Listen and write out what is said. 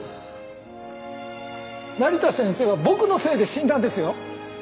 成田先生は僕のせいで死んだんですよ？